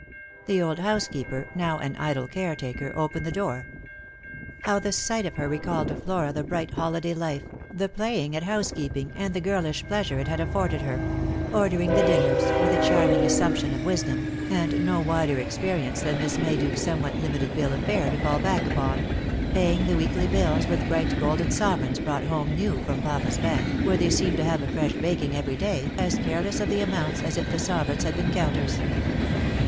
The old housekeeper, now an idle care taker, opened the door How the sight of her recalled to Flora the bright holiday life, the playing at housekeeping, and the girlish pleasure it had afforded her : ordering the dinners, with a charming assumption of wisdom, and no wider experience than Miss Mayduke's some what limited bill of fare to fall back upon : paying the weekly bills with bright golden sovereigns brought home new from papa's bank, where they seemed to have a fresh baking every day, as careless of the amounts as if the sovereigns had been counters